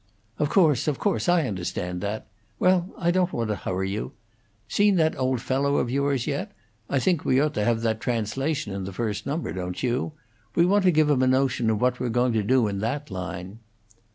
"Of course! Of course! I understand that. Well, I don't want to hurry you. Seen that old fellow of yours yet? I think we ought to have that translation in the first number; don't you? We want to give 'em a notion of what we're going to do in that line."